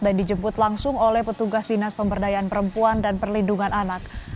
dan dijemput langsung oleh petugas dinas pemberdayaan perempuan dan perlindungan anak